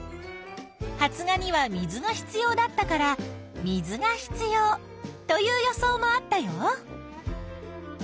「発芽には水が必要だったから水が必要」という予想もあったよ。